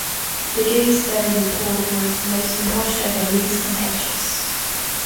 Bigge's third report was the most impartial and least contentious.